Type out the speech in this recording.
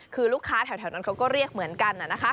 คือลูกค้าแถวนั้นเขาก็เรียกเหมือนกัน